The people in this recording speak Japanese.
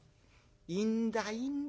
「いいんだいいんだ。